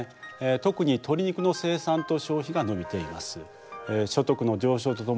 特に鶏肉の生産と消費が伸びています。